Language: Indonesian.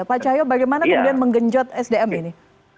pak cahyo bagaimana kemudian menggenjot sdm ini